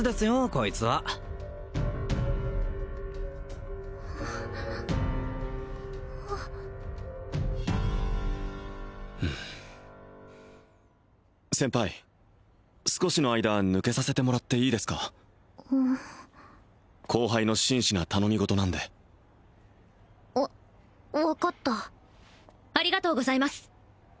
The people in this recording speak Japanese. こいつは先輩少しの間抜けさせてもらっていいですか後輩の真摯な頼み事なんでわ分かったありがとうございます